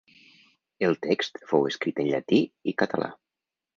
El text fou escrit en llatí i català.